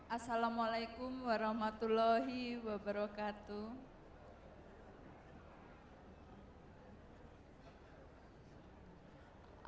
assalamu'alaikum warahmatullahi wabarakatuh